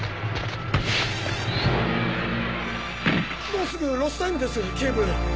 もうすぐロスタイムです警部。